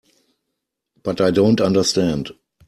But I don't understand.